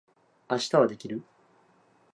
明日はできる？